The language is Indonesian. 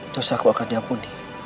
terus aku akan diampuni